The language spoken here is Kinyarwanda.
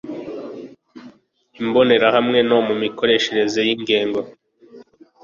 imbonerahamwe no imikoreshereze y ingengo